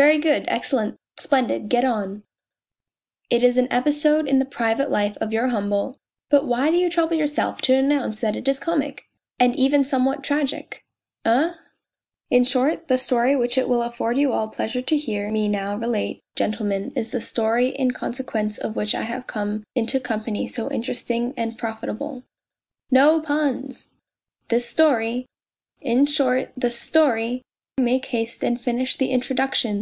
" Very good, excellent, splendid. Get on !"" It is an episode in the private life of your humble ..."" But why do you trouble yourself to announce that it's comic ?" 'And oven somewhat tragic !" POLZUNKOV 211 "Eh??? 1" " In short, the story which it will afford you all pleasure to hear me now relate, gentlemen the story, in consequence of which I have come into company so interesting and profitable ..."" No puns !"" This story." " In short the story make haste and finish the introduc tion.